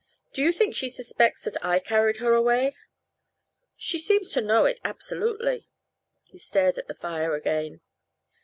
"Do you think she suspects that I carried her away?" "She seems to know it absolutely." He stared at the fire again.